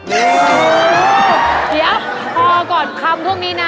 เดี๋ยวพอก่อนคำพวกนี้นะ